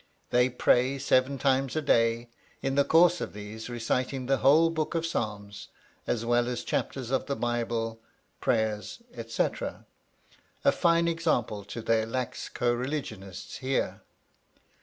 They pray seven times a day, in the course of these reciting the whole Book of Psalms, as well as chapters of the Bible, prayers, etc.: a fine example to their lax co religionists here.